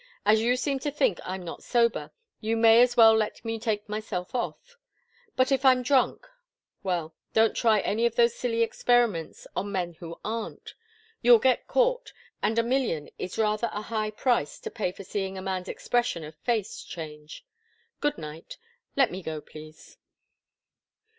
As you seem to think I'm not sober, you may as well let me take myself off. But if I'm drunk well, don't try any of those silly experiments on men who aren't. You'll get caught, and a million is rather a high price to pay for seeing a man's expression of face change. Good night let me go, please."